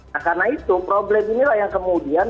nah karena itu problem inilah yang kemudian